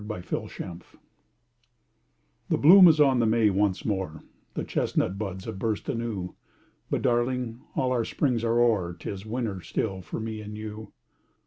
DECEMBER'S SNOW The bloom is on the May once more, The chestnut buds have burst anew; But, darling, all our springs are o'er, 'Tis winter still for me and you.